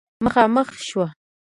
مخامخ شوه